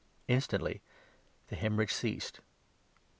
Instantly 44 the haemorrhage ceased.